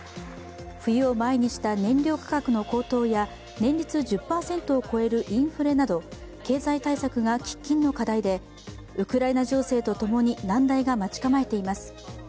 冬を前にした燃料価格の高騰や年率１０％を超えるインフレなど経済対策が喫緊の課題でウクライナ情勢とともに難題が待ち構えています。